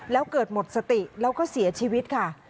แล้วเกิดหมดสติแล้วก็เสียชีวิตค่ะ